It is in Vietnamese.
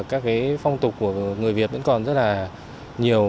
các cái phong tục của người việt vẫn còn rất là nhiều